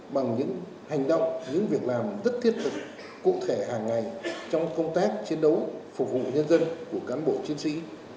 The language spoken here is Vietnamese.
bằng những hành động những việc làm rất thiết thực cụ thể hàng ngày trong công tác chiến đấu phục vụ nhân dân của cán bộ chiến sĩ